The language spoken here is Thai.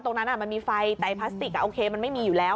ตรงนั้นมันมีไฟแต่พลาสติกโอเคมันไม่มีอยู่แล้ว